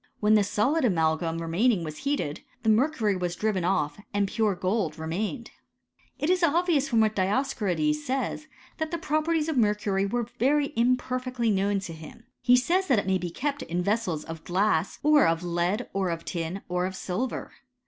When the solid amalgam remaining was heated, the mercury was driven off and pure gold remained. It is obvious from what Dioscorides says, that the properties of mercury were very imperfectly known to him. He says that it may be kept in vessels of glass, or of lead, or of tin, or of silver.